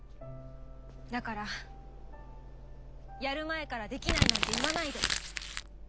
だからやる前からできないなんて言わないで。